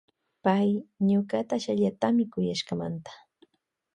Payki ñukata ashtalla kuyashkamanta.